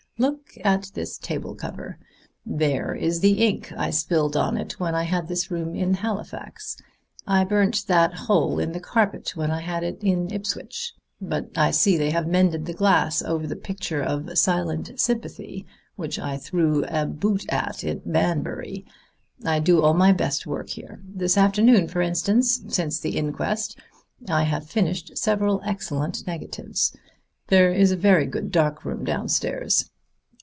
Look at this table cover; there is the ink I spilled on it when I had this room in Halifax. I burnt that hole in the carpet when I had it in Ipswich. But I see they have mended the glass over the picture of 'Silent Sympathy,' which I threw a boot at in Banbury. I do all my best work here. This afternoon, for instance, since the inquest, I have finished several excellent negatives. There is a very good dark room downstairs."